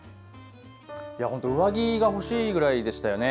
上着が欲しいぐらいでしたよね。